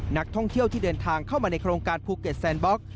นักท่องเที่ยวที่เดินทางเข้ามาในโครงการภูเก็ตแซนบล็อก